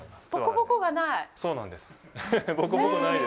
ぼこぼこがない！